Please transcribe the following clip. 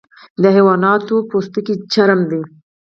د حیواناتو پوستکی چرم دی